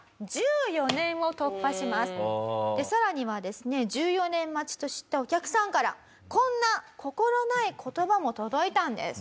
さらにはですね１４年待ちと知ったお客さんからこんな心ない言葉も届いたんです。